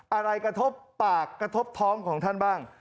อะไรกระทบปากกระทบท้องของท่านบ้าง